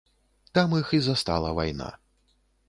Там іх і застала вайна.